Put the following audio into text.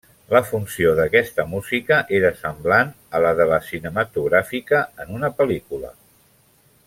La funció d'aquesta música era semblant a la de la cinematogràfica en una pel·lícula.